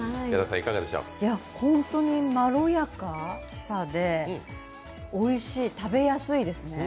本当にまろやかでおいしい、食べやすいですね。